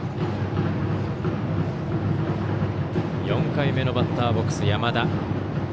４回目のバッターボックス、山田。